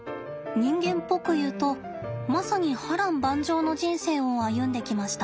人間っぽくいうとまさに波乱万丈の人生を歩んできました。